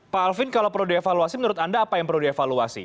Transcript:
pak alvin kalau perlu dievaluasi menurut anda apa yang perlu dievaluasi